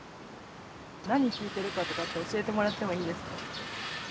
何聴いてるかとかって教えてもらってもいいですか？